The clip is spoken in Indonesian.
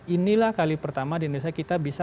inilah kali pertama di indonesia kita bisa